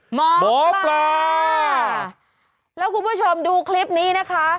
หมอปลาแล้วคุณผู้ชมดูคลิปนี้นะคะ